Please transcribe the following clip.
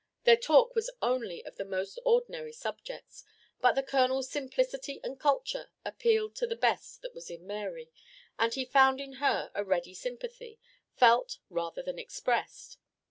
Their talk was only of the most ordinary subjects; but the Colonel's simplicity and culture appealed to the best that was in Mary, and he found in her a ready sympathy, felt rather than expressed.